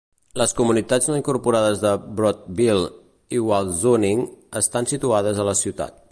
Les comunitats no incorporades de Brodtville i Wyalusing estan situades a la ciutat.